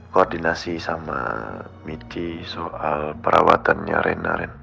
koordinasi sama michi soal perawatannya ren